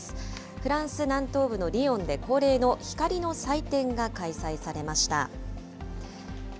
フランス南東部のリヨンで、恒例の光の祭典が開催されました。